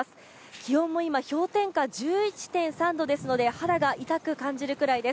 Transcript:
気温も今、氷点下１１．３度ですので、肌が痛く感じるくらいです。